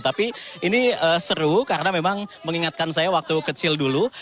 tapi ini seru karena memang mengingatkan saya waktu kecil dulu